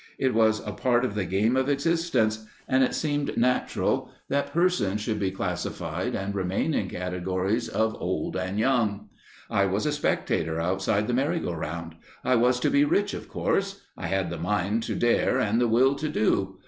It was a part of the game of existence, and it seemed natural that persons should be classified and remain in categories of old and young. I was a spectator outside the merry go round. I was to be rich, of course; I had the mind to dare and the will to do.